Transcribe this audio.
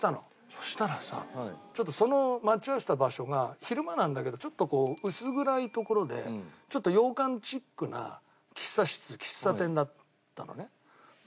そしたらさちょっとその待ち合わせた場所が昼間なんだけどちょっと薄暗い所でちょっと洋館チックな喫茶室喫茶店だったのね。